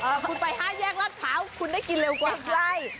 คุณไปห้าแยกลาดพร้าวคุณได้กินเร็วกว่าใกล้